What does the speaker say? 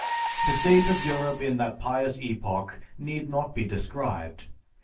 The state of Europe in that pious epoch need not be described.